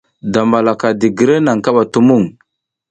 Damalaka digire naŋ kaɓa tumuŋ.